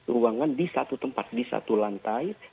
ruangan di satu tempat di satu lantai